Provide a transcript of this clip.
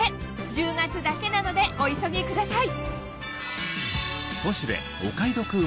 １０月だけなのでお急ぎください